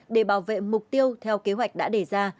để bảo vệ mục tiêu theo kế hoạch đã đề ra